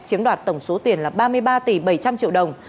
chiếm đoạt tổng số tiền là ba mươi ba tỷ bảy trăm linh triệu đồng